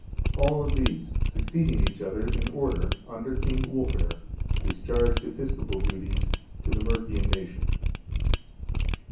(453) All these, succeeding each other in order under King Wulfhere, discharged episcopal duties to the Mercian nation.